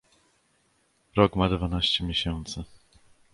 Rok ma dwanaście miesięcy.